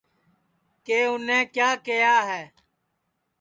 کہ اُنے کیا کیہیا ہے